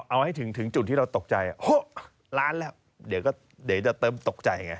เอาให้ถึงจุดที่เราตกใจล้านแล้วเดี๋ยวจะเติมตกใจไง